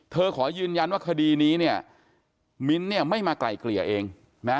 ขอยืนยันว่าคดีนี้เนี่ยมิ้นท์เนี่ยไม่มาไกลเกลี่ยเองนะ